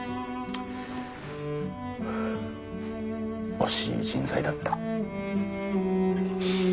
惜しい人材だった。